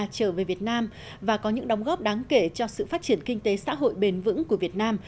trở về việt nam và có những đóng góp đáng kể cho sự phát triển kinh tế xã hội bền vững của việt nam